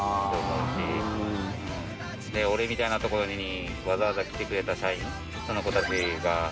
俺みたいなところにわざわざ来てくれた社員。